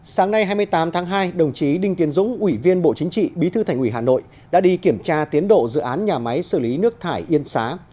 sáng nay hai mươi tám tháng hai đồng chí đinh tiến dũng ủy viên bộ chính trị bí thư thành ủy hà nội đã đi kiểm tra tiến độ dự án nhà máy xử lý nước thải yên xá